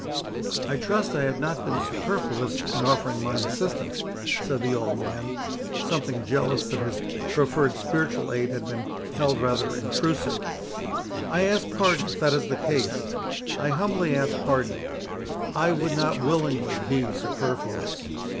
"I trust I have not been superfluous in offering mine assistance," said the old man, something jealous that his proffered spiritual aid had been held rather intrusive. "I ask pardon if that is the case, I humbly ask pardon—I would not willingly be superfluous."